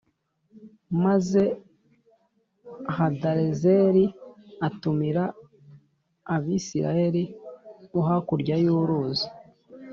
Maze Hadarezeri atumira Abasiriya bo hakurya y’uruzi